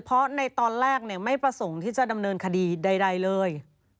เพราะในตอนแรกไม่ประสงค์ที่จะดำเนินคดีใดเลย